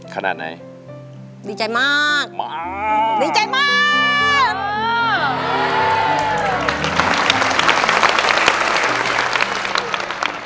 ขนาดไหนดีใจมากดีใจมาก